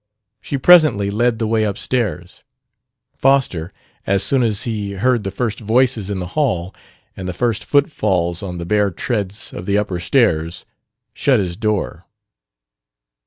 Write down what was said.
She presently led the way upstairs. Foster, as soon as he heard the first voices in the hall and the first footfalls on the bare treads of the upper stairs, shut his door.